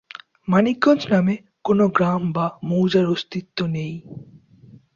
মানিকগঞ্জ নামে কোন গ্রাম বা মৌজার অস্তিত্ব নেই।